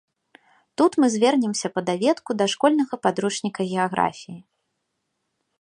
Тут мы звернемся па даведку да школьнага падручніка геаграфіі.